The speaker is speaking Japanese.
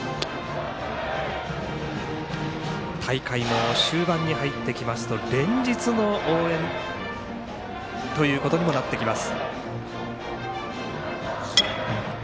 大会も終盤に入ってきますと連日の応援ということにもなってきます。